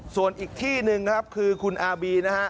ส่วนอีกที่หนึ่งครับคือคุณอาร์บีนะฮะ